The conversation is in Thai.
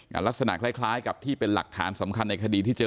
ลักษณะคล้ายคล้ายกับที่เป็นหลักฐานสำคัญในคดีที่เจอ